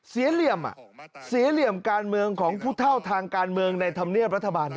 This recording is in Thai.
เหลี่ยมเสียเหลี่ยมการเมืองของผู้เท่าทางการเมืองในธรรมเนียบรัฐบาล